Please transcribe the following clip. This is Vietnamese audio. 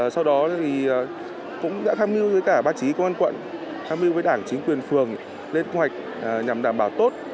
sau đó thì cũng đã tham mưu với cả bác chí công an quận tham mưu với đảng chính quyền phường lên ngoạch nhằm đảm bảo tốt